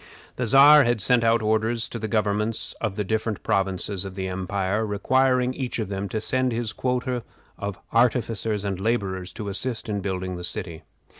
The Czar had sent out orders to the governments of the different provinces of the empire requiring each of them to send his quota of artificers and laborers to assist in building the city.